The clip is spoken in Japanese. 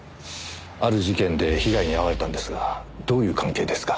ある事件で被害に遭われたんですがどういう関係ですか？